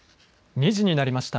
２時になりました。